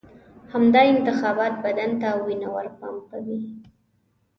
همدا انتخابات بدن ته وینه ورپمپوي.